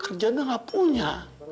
kerjaan saya tidak punya